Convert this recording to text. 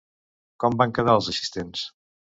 Com van quedar els assistents?